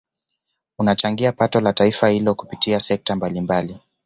Unachangia pato la taifa hilo kupitia sekta mbalimbali